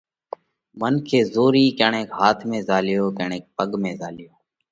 منکي زورِي ڪڻئڪ هاٿ ۾ زهاليو، ڪڻئڪ پڳ ۾ زهاليو،